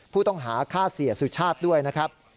ผู้ต้องหาฆ่าเสียสุชาติด้วยนะครับ